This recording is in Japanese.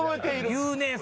言うね！